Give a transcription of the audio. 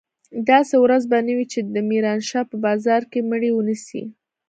داسې ورځ به نه وي چې د ميرانشاه په بازار کښې مړي ونه سي.